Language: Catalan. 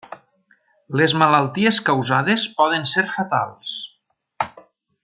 Les malalties causades poden ser fatals.